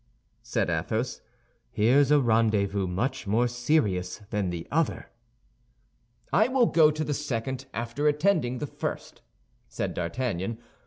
said Athos; "here's a rendezvous much more serious than the other." "I will go to the second after attending the first," said D'Artagnan.